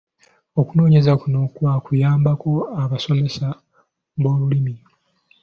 Okunoonyereza kuno kwa kuyambako abasomesa b’olulimi.